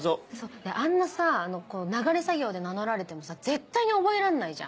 あんなさ流れ作業で名乗られても絶対に覚えらんないじゃん。